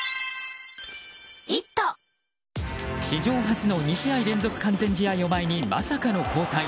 史上初の２試合連続完全試合を前にまさかの交代。